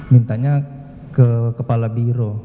mintanya ke kepala biro